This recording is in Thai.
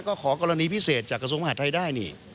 ก็ขอกรณีพิเศษของกฎศึกภัณฑ์ไทยได้นี่